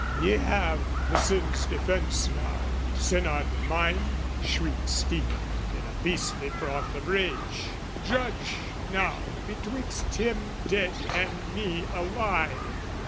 "' Ye have the sin's defence now, synod mine!' "Shrieks Stephen in a beastly froth of rage: "'Judge now betwixt him dead and me alive!